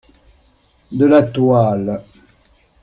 De la toile!